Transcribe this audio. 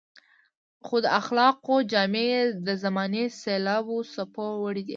خو د اخلاقو جامې يې د زمانې سېلابي څپو وړي دي.